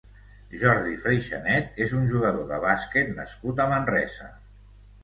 Jordi Freixanet és un jugador de bàsquet nascut a Manresa.